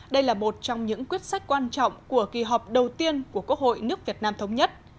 đây là một trong những quyết sách quan trọng của kỳ họp đầu tiên của quốc hội nước việt nam thống nhất